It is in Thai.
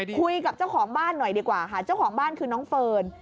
คุยกับเจ้าของบ้านหน่อยดีกว่าค่ะเจ้าของบ้านคือน้องเฟิร์น